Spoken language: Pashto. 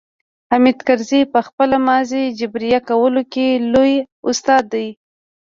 حامد کرزي په خپله ماضي جبيره کولو کې لوی استاد دی.